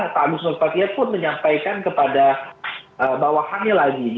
pak agus nur patria pun menyampaikan kepada bawahannya lagi